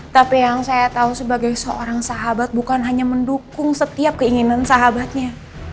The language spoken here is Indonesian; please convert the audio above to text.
tapi yang saya tahu sebagai seorang sahabat bukan hanya mendukung setiap keinginan sahabatnya